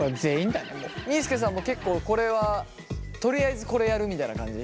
みーすけさんも結構これはとりあえずこれやるみたいな感じ？